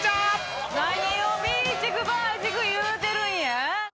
何をピーチクパーチク言うてるんや？